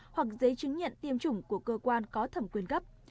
hoặc giấy chứng nhận tiêm chủng của cơ quan có thẩm quyền cấp